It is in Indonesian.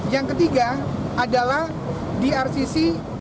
yang ketiga adalah di rcc